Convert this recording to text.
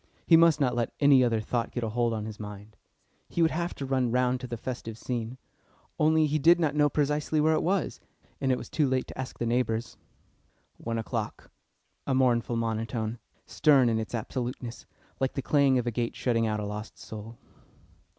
He must not let any other thought get a hold on his mind. He would have run round to the festive scene, only he did not know precisely where it was, and it was too late to ask the neighbours. One o'clock! A mournful monotone, stern in its absoluteness, like the clang of a gate shutting out a lost soul.